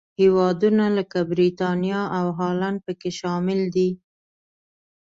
هېوادونه لکه برېټانیا او هالنډ پکې شامل دي.